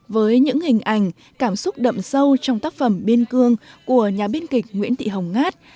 với những hình ảnh cảm xúc đậm sâu trong tác phẩm biên cương của nhà biên kịch nguyễn thị hồng ngát